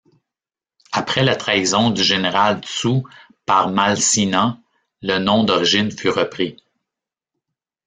Après la trahison du Général Tsuu par Malseena, le nom d'origine fut repris.